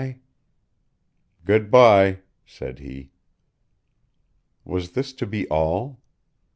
"Good by," said he. Was this to be all?